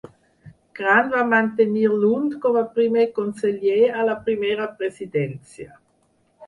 Grant va mantenir Lund com a primer conseller a la Primera Presidència.